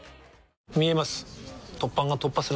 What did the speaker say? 見えます